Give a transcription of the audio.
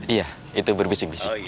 iya itu berbisik bisik